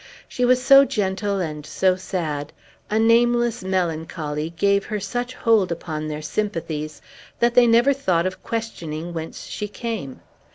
She was so gentle and so sad, a nameless melancholy gave her such hold upon their sympathies, that they never thought of questioning whence she came.